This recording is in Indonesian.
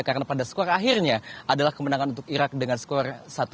karena pada skor akhirnya adalah kemenangan untuk irak dengan skor satu tiga